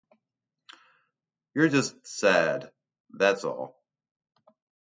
You're just sad, that's all.